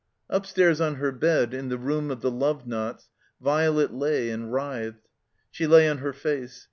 Upstairs on her bed, in the room of the love knots, Violet lay and writhed. She lay on her face.